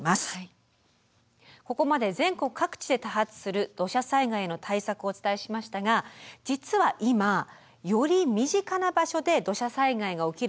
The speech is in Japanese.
ここまで全国各地で多発する土砂災害の対策をお伝えしましたが実は今より身近な場所で土砂災害が起きる可能性が指摘されているんです。